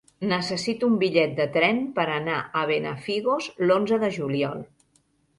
Necessito un bitllet de tren per anar a Benafigos l'onze de juliol.